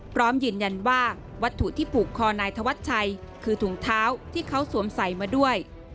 พร้อมยืนยันว่าวัตถุที่ผูกคอนายธวัชชัยคือถุงเท้าที่เขาสวมใส่มาด้วย